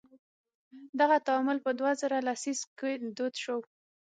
دغه تعامل په دوه زره لسیزه کې دود شو.